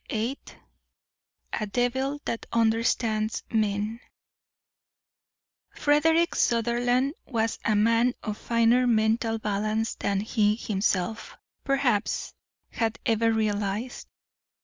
VIII "A DEVIL THAT UNDERSTANDS MEN" Frederick Sutherland was a man of finer mental balance than he himself, perhaps, had ever realised.